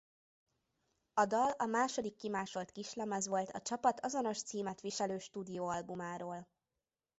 A dal a második kimásolt kislemez volt a csapat azonos címet viselő stúdióalbumáról.